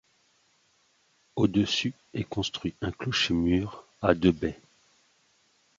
Au-dessus est construit un clocher mur à deux baies.